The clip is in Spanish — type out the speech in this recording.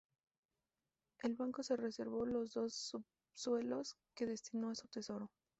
El banco se reservó los dos subsuelos, que destinó a su Tesoro.